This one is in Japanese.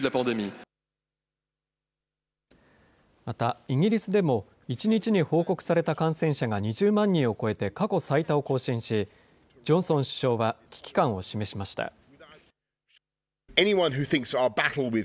また、イギリスでも１日に報告された感染者が２０万人を超えて過去最多を更新し、ジョンソン首相は危機感を示しました。